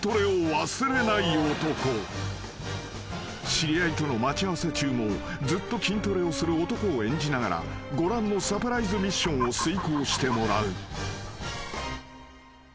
［知り合いとの待ち合わせ中もずっと筋トレをする男を演じながらご覧のサプライズミッションを遂行してもらう］